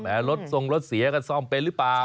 รถทรงรถเสียก็ซ่อมเป็นหรือเปล่า